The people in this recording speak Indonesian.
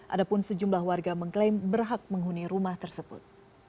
ada pun sejumlah warga mengklaim berhak menghuni rumah tersebut